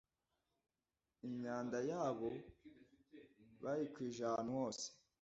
imyanda yabo bayikwije ahantu hose.